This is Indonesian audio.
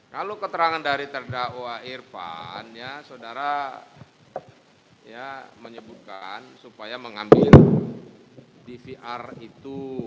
kalau keterangan dari terdakwa irfan ya saudara menyebutkan supaya mengambil dvr itu